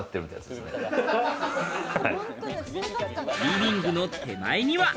リビングの手前には。